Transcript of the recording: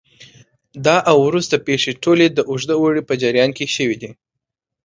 دا او وروسته پېښې ټولې د اوږده اوړي په جریان کې شوې دي